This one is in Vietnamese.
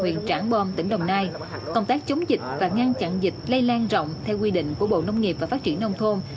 huyện trảng bom tỉnh đồng nai công tác chống dịch và ngăn chặn dịch lây lan rộng theo quy định của bộ nông nghiệp và phát triển nông thôn